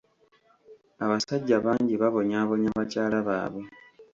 Abasajja bangi babonyaabonya bakyala baabwe.